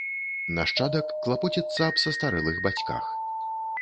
Нашчадак клапоціцца аб састарэлых бацьках.